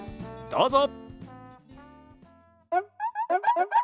どうぞ。